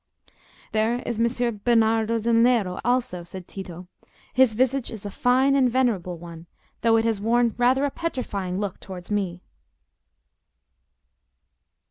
"There is Messer Bernardo del Nero also," said Tito; "his visage is a fine and venerable one, though it has worn rather a petrifying look towards me."